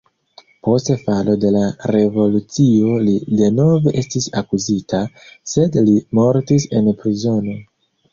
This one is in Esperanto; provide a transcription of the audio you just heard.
Post falo de la revolucio li denove estis akuzita, sed li mortis en prizono.